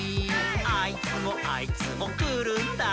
「あいつもあいつもくるんだ」